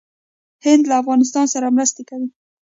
هند له افغانستان سره مرسته کوي.